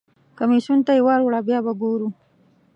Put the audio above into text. کمیسیون ته یې ور وړه بیا به وګورو.